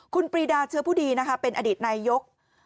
คุณปรีดาเชื้อผู้ดีเป็นอดิตในยก